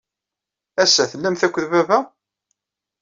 Ass-a, tellamt akked baba?